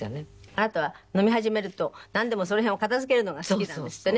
あなたは飲み始めるとなんでもその辺を片付けるのが好きなんですってね。